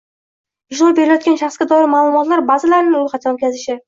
ishlov berilayotgan shaxsga doir ma’lumotlar bazalarini ro‘yxatdan o‘tkazishi;